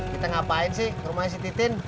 kita ngapain sih rumahnya si titin